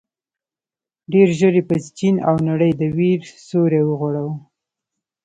ډېر ژر یې پر چين او نړۍ د وېر سيوری وغوړاوه.